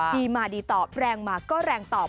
ดีมาดีตอบแรงมาก็แรงตอบ